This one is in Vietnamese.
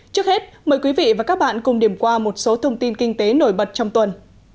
trước hết mời quý vị và các bạn cùng điểm qua một số thông tin kinh tế nổi bật trong tuần